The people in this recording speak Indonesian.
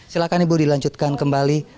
silakan ibu dilanjutkan kembali